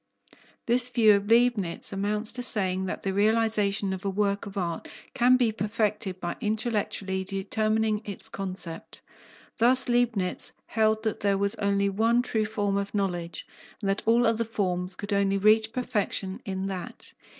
This view of Leibnitz amounts to saying that the realization of a work of art can be perfected by intellectually determining its concept. Thus Leibnitz held that there was only one true form of knowledge, and that all other forms could only reach perfection in that.